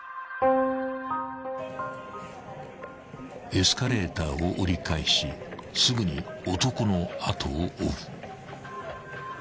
［エスカレーターを折り返しすぐに男の後を追う］